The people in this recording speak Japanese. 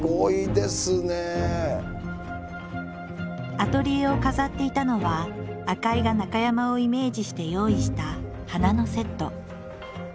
アトリエを飾っていたのは赤井が中山をイメージして用意した花のセット。